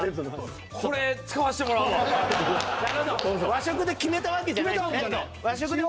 和食で決めたわけじゃないんですね。